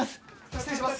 失礼します！